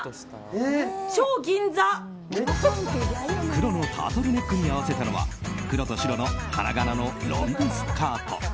黒のタートルネックに合わせたのは黒と白の花柄のロングスカート。